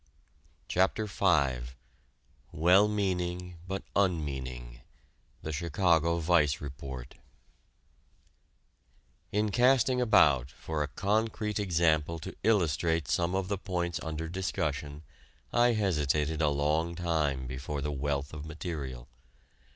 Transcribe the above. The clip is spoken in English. CHAPTER V WELL MEANING BUT UNMEANING: THE CHICAGO VICE REPORT In casting about for a concrete example to illustrate some of the points under discussion I hesitated a long time before the wealth of material.